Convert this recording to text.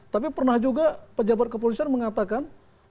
tapi pernah juga pejabat kepolisian mengatakan